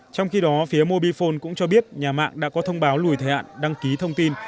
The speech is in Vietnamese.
trong khi đó phía mobifone cũng cho biết nhà mạng đã có thông báo lùi thời hạn đăng ký thông tin